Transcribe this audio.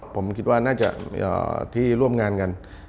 ผมคิดว่าน่าจะที่ร่วมงานกัน